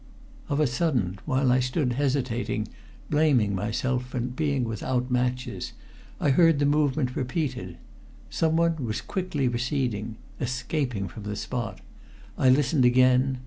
Of a sudden, while I stood hesitating, blaming myself for being without matches, I heard the movement repeated. Someone was quickly receding escaping from the spot. I listened again.